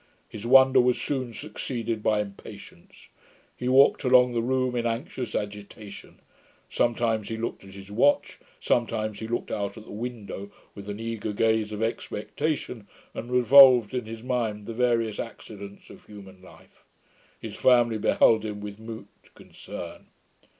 His wonder was soon succeeded by impatience. He walked about the room in anxious agitation; sometimes he looked at his watch, sometimes he looked out at the window with an eager gaze of expectation, and revolved in his mind the various accidents of human life. His family beheld him with mute concern.